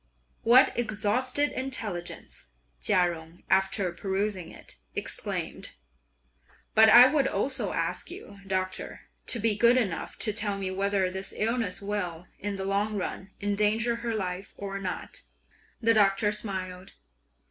"What exalted intelligence!" Chia Jung, after perusing it, exclaimed. "But I would also ask you, Doctor, to be good enough to tell me whether this illness will, in the long run, endanger her life or not?" The Doctor smiled.